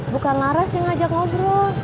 bukan lares yang ngajak ngobrol